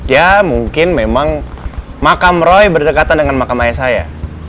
ya mungkin memang makam roy berdekatan dengan makam ayah saya